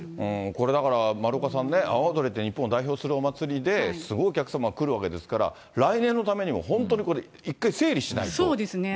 これだから、丸岡さんね、阿波おどりって日本を代表するお祭りで、すごいお客様来るわけですから、来年のためにも、本当にこれ、一そうですね。